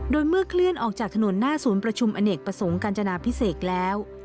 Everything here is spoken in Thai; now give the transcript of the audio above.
โดยเมื่อเคลื่อนออกจากถนนหน้าศูนย์ประชุมอเนกประสงค์กัญจนาพิเศษแล้ว